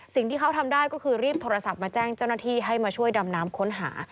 สิ่งที่เขาทำได้ก็คือรีบโทรศัพท์มาแจ้งเจ้าหน้าที่ให้มาช่วยดำน้ำค้นหา